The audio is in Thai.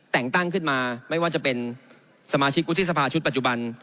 แต่งตั้งขึ้นมาไม่ว่าจะเป็นสมาชิกวุฒิสภาชุดปัจจุบัน